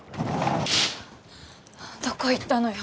どこ行ったのよ。